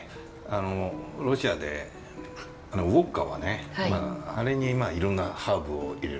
ロシアでウォッカはねあれにいろんなハーブを入れる